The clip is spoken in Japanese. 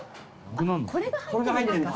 これが入ってんだ。